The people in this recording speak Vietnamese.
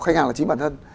khách hàng là chính bản thân